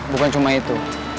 bukan cuma itu